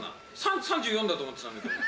３４だと思ってたんだけど。